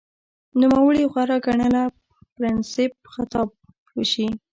نوموړي غوره ګڼله پرنسېپ خطاب وشي